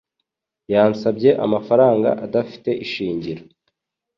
Yansabye amafaranga adafite ishingiro.